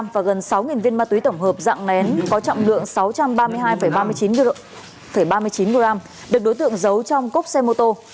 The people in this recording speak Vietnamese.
và gần sáu viên ma túy tổng hợp dạng nén có trọng lượng sáu trăm ba mươi hai ba mươi chín g được đối tượng giấu trong cốc xe mô tô